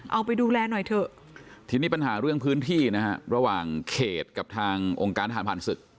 เอาไปดูแลหน่อยเถอะทีนี้ปัญหาเรื่องพื้นที่นะฮะระหว่างเขตกับทางองค์การทหารผ่านศึก